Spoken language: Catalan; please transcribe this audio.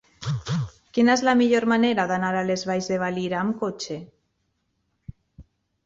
Quina és la millor manera d'anar a les Valls de Valira amb cotxe?